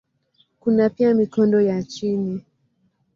Kuna pia mikondo ya chini.